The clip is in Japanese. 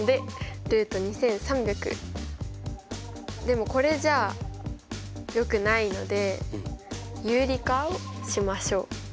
でもこれじゃよくないので有理化をしましょう。